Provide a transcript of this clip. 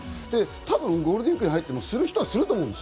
多分、ゴールデンウイークに入っても、する人をすると思う。